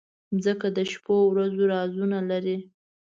مځکه د شپو ورځو رازونه لري.